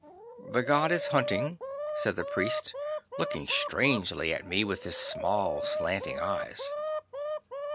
'"The god is hunting," said the priest, looking strangely at me with his small slanting eyes.